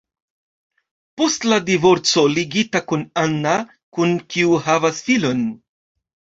Post la divorco ligita kun Anna, kun kiu havas filon.